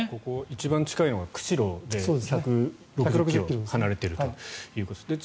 一番近いのが釧路で１６０ｋｍ離れているということです。